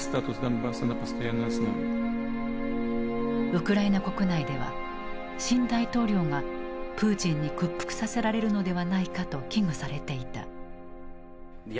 ウクライナ国内では新大統領がプーチンに屈服させられるのではないかと危惧されていた。